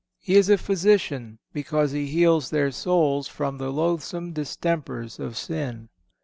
He is a physician, because he heals their souls from the loathsome distempers of sin.